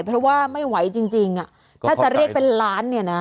เพราะว่าไม่ไหวจริงถ้าแต่เรียกเป็นล้าน